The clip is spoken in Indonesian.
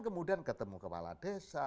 kemudian ketemu kepala desa